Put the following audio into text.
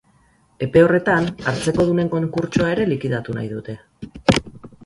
Epe horretan hartzekodunen konkurtsoa ere likidatu nahi dute.